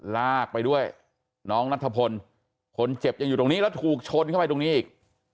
ลากไปด้วยน้องนัทพลคนเจ็บยังอยู่ตรงนี้แล้วถูกชนเข้าไปตรงนี้อีก